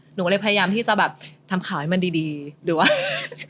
หนูก็เลยพยายามที่จะแบบทำข่าวให้มันดีหรือว่า